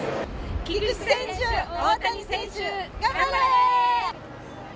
菊池選手、大谷選手、頑張れ！